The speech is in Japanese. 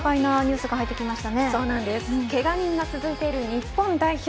けが人が続いている日本代表